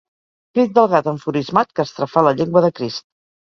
Crit del gat enfurismat que estrafà la llengua de Crist.